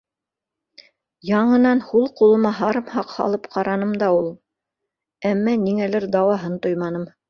Яңынан һул ҡулыма һарымһаҡ һалып ҡараным да ул, әммә ниңәлер дауаһын тойманым.